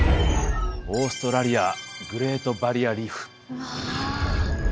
オーストラリアグレートバリアリーフ。